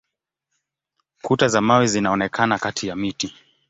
Kuta za mawe zinaonekana kati ya miti.